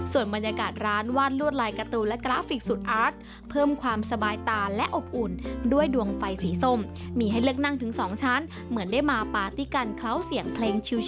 ส่วนบรรยากาศร้านวาดลวดลายการ์ตูนและกราฟิกสุดอาร์ตเพิ่มความสบายตาและอบอุ่นด้วยดวงไฟสีส้มมีให้เลือกนั่งถึง๒ชั้นเหมือนได้มาปาร์ตี้กันเคล้าเสียงเพลงชิว